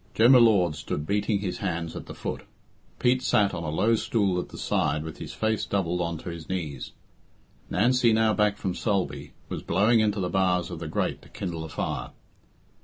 Jem y Lord stood beating his hands at the foot. Pete sat on a low stool at the side with his face doubled on to his knees. Nancy, now back from Sulby, was blowing into the bars of the grate to kindle a fire.